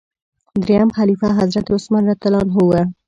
دریم خلیفه حضرت عثمان رض و.